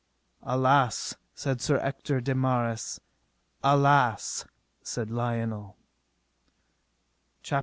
Alas, said Sir Ector de Maris. Alas, said Lionel. CHAPTER X.